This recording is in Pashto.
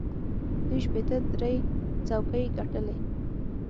دوی شپېته درې څوکۍ ګټلې.